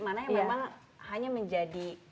mana yang memang hanya menjadi pihak keraton saja